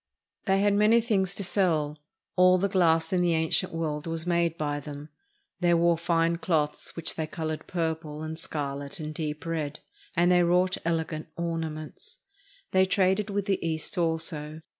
They had many things to sell. All the glass in the ancient world was made by them. They wore fine cloths which they colored purple, and scarlet, and deep red, and they wrought elegant ornaments. They traded with the East also.